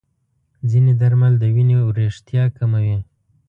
ځینې درمل د وینې وریښتیا کموي.